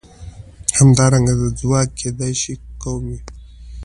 همدارنګه دا ځواک کېدای شي قوم وي.